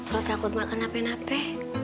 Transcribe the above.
roha takut mak kenapa napa